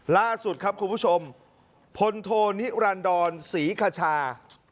ล่าสุดครับคุณผู้ชมพลโทนิรันดรศรีคชา